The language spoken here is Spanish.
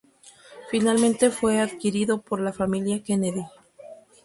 Finalmente fue adquirido por la familia Kennedy.